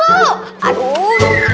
aduh kasih lupuan